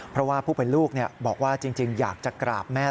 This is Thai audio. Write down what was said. เพราะว่าผู้เป็นลูกบอกว่าจริงอยากจะกราบแม่